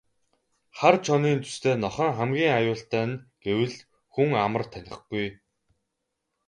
Хар чонын зүстэй нохойн хамгийн аюултай нь гэвэл хүн амар танихгүй.